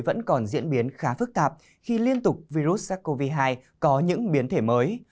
vẫn còn diễn biến khá phức tạp khi liên tục virus sars cov hai có những biến thể mới